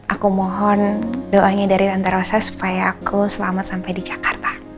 aku mohon doanya dari tentara saya supaya aku selamat sampai di jakarta